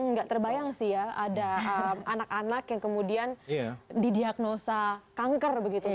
nggak terbayang sih ya ada anak anak yang kemudian didiagnosa kanker begitu ya